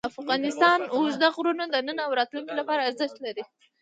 افغانستان کې اوږده غرونه د نن او راتلونکي لپاره ارزښت لري.